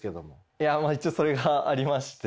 いやまあ一応それがありまして。